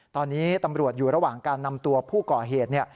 ตอนนี้ตำรวจอยู่ระหว่างการนำตัวผู้ก่อเหตุ